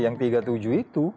yang tiga puluh tujuh itu